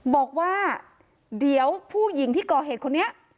บอกว่าเดี๋ยวผู้หญิงที่ก่อเหตุคนนี้